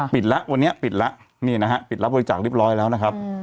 ปิดแล้ววันนี้ปิดแล้วนี่นะฮะปิดรับบริจาคเรียบร้อยแล้วนะครับ